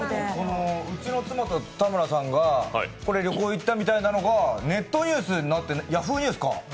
うちの妻と田村さんが旅行行ったみたいなのがネットニュースになって、Ｙａｈｏｏ！ニュースか。